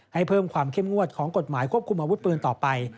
ให้เพิ่มความเข้มงวดของกฎหมายควบคุมอาวุธปืนต่อไป